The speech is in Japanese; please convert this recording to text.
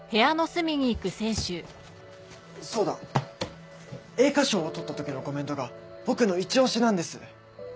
そうだ栄華賞を取ったときのコメントが僕のイチ押しなんです。